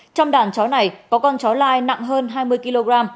trong đàn chó này có con cháu lai nặng hơn hai mươi kg